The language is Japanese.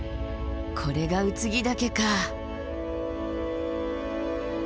これが空木岳か。